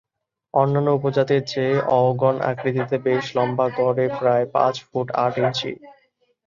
অন্যান্য উপজাতির চেয়ে অওগণ আকৃতিতে বেশ লম্বা, গড়ে প্রায় পাঁচ ফুট আট ইঞ্চি।